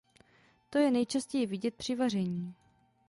To je nejčastěji vidět při vaření.